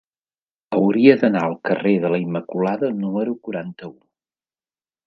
Hauria d'anar al carrer de la Immaculada número quaranta-u.